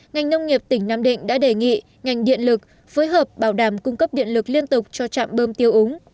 ngành nông nghiệp tỉnh nam định đã đề nghị ngành điện lực phối hợp bảo đảm cung cấp điện lực liên tục cho trạm bơm tiêu úng